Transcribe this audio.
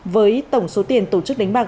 với tổng số tiền tổ chức đánh bạc